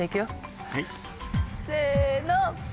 せの！